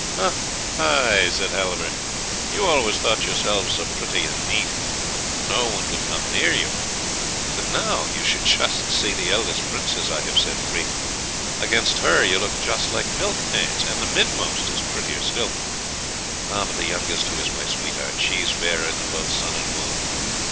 "Aye, aye," said Halvor, "you always thought yourselves so pretty and neat, no one could come near you; but now you should just see the eldest Princess I have set free; against her you look just like milkmaids, and the midmost is prettier still; but the youngest, who is my sweetheart, she's fairer than both sun and moon.